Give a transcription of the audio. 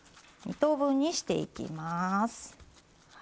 ２等分にしていきます。